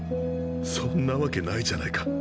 そんなわけないじゃないか。